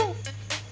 aduh kenyam banget